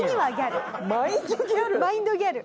マインドギャル？